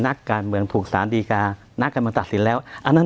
นักการเมืองถูกสารดีการักการเมืองตัดสินแล้วอันนั้น